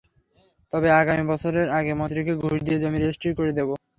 তবে আগামী বছরের আগে মন্ত্রীকে ঘুষ দিয়ে জমি রেজিস্ট্রি করে দেব।